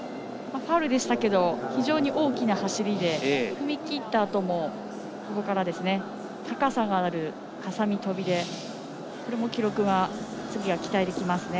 ファウルでしたけども非常に大きな走りで踏み切ったあとも高さがある、はさみ跳びで記録、次は期待できます。